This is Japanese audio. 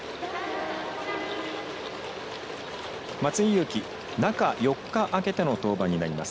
松井裕樹、中４日空けての登板になります。